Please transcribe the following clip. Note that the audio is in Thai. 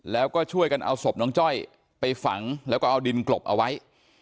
แล้วก็ช่วยกันเอาศพน้องจ้อยไปฝังแล้วก็เอาดินกลบเอาไว้